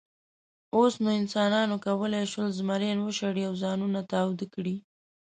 اوس نو انسانانو کولی شول، زمریان وشړي او ځانونه تاوده کړي.